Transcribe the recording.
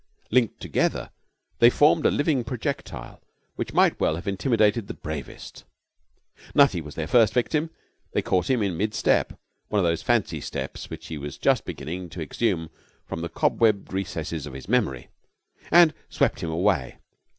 Linked together they formed a living projectile which might well have intimidated the bravest. Nutty was their first victim. They caught him in mid step one of those fancy steps which he was just beginning to exhume from the cobwebbed recesses of his memory and swept him away.